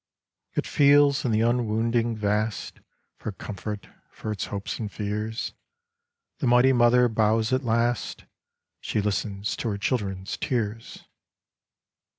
It feels in the unwounding vast For comfort for its hopes and fears : The Mighty Mother bows at last ; She listens to her children's tears.